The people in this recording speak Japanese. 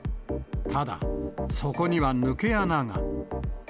ただ、そこには抜け穴が。